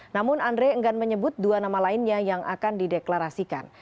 namun andre enggan menyebut dua nama lainnya yang akan dideklarasikan